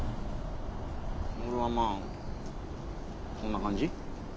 俺はまあこんな感じ。